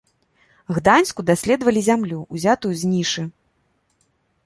Гданьску даследавалі зямлю, узятую з нішы.